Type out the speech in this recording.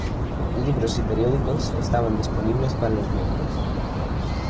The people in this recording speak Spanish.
Libros y periódicos estaban disponibles para los miembros.